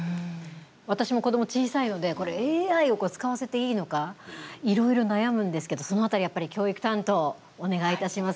私も子ども小さいのでＡＩを使わせていいのかいろいろ悩むんですけどその辺りやっぱり教育担当お願いいたします